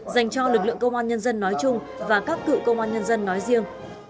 dành cho lực lượng công an nhân dân nói chung và các cựu công an nhân dân nói riêng